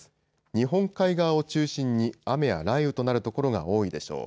日本海側を中心に雨や雷雨となる所が多いでしょう。